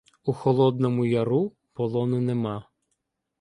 "У Холодному Яру полону нема"